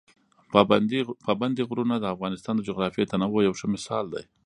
پابندي غرونه د افغانستان د جغرافیوي تنوع یو ښه مثال دی.